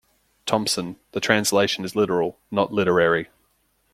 Thomson; the translation is literal, not literary.